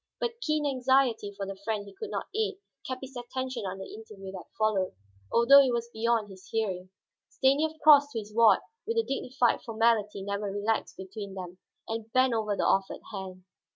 But keen anxiety for the friend he could not aid kept his attention on the interview that followed, although it was beyond his hearing. Stanief crossed to his ward with the dignified formality never relaxed between them, and bent over the offered hand.